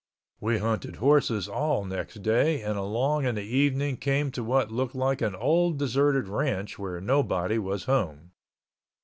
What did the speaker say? We hunted horses all next day and along in the evening came to what looked like an old deserted ranch where nobody was home.